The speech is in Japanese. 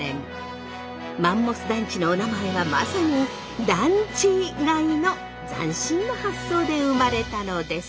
マンモス団地のおなまえはまさにだんちがいの斬新な発想で生まれたのです。